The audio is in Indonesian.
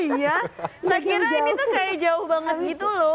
oh iya saya kira ini tuh kayak jauh banget gitu loh